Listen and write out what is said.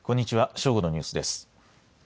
正午のニュースです。